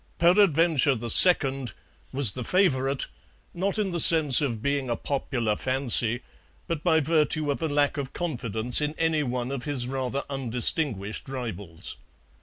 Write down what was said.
Peradventure II was the favourite, not in the sense of being a popular fancy, but by virtue of a lack of confidence in any one of his rather undistinguished rivals.